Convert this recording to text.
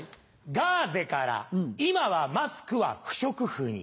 ガーゼから今はマスクは不織布に。